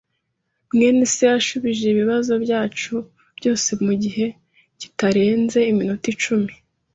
mwene se yashubije ibibazo byacu byose mugihe kitarenze iminota icumi.